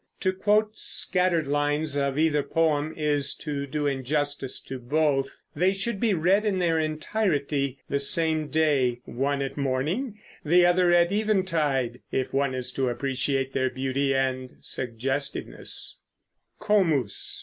To quote scattered lines of either poem is to do injustice to both. They should be read in their entirety the same day, one at morning, the other at eventide, if one is to appreciate their beauty and suggestiveness.